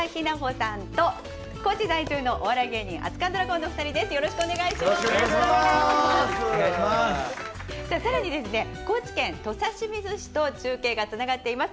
さあ更にですね高知県土佐清水市と中継がつながっています。